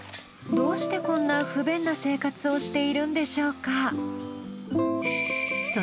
どうしてこんな不便な生活をしているんでしょうか。